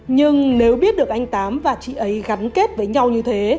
nhưng nếu biết được anh tám và chị ấy gắn kết với nhau như thế